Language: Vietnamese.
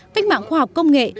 cách mạng khoa học công nghệ